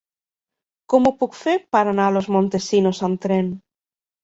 Com ho puc fer per anar a Los Montesinos amb tren?